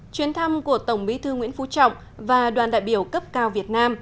chuyến thăm của tổng bí thư nguyễn phú trọng và đoàn đại biểu cấp cao việt nam